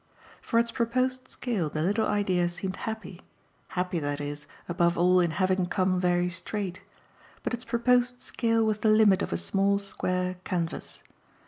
For its proposed scale the little idea seemed happy happy, that is, above all in having come very straight; but its proposed scale was the limit of a small square canvas.